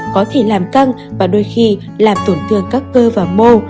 có thể làm căng và đôi khi làm tổn thương các cơ và mô